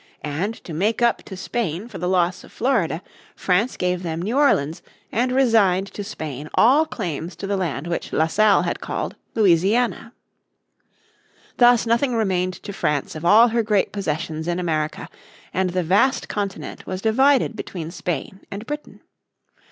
And to make up to Spain for the loss of Florida France gave them New Orleans and resigned to Spain all claims to the land which La Salle had called Louisiana. Thus nothing remained to France of all her great possessions in America, and the vast continent was divided between Spain and Britain.